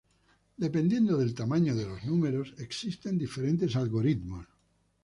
Dependiendo del tamaño de los números, existen diferentes algoritmos.